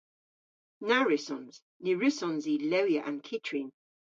Na wrussons. Ny wrussons i lewya an kyttrin.